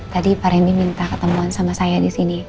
tadi pak rendy minta ketemuan sama saya disini